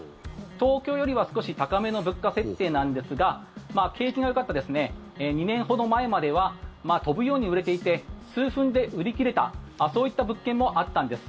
東京よりは少し高めの物価設定なんですが景気がよかった２年ほど前までは飛ぶように売れていて数分で売り切れたそういった物件もあったんです。